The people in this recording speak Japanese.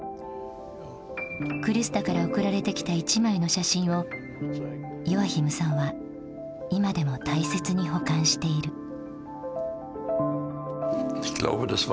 クリスタから贈られてきた１枚の写真をヨアヒムさんは今でも大切に保管している。